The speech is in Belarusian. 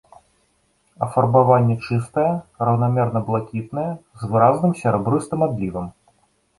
Афарбаванне чыстае, раўнамерна-блакітнае, з выразным серабрыстым адлівам.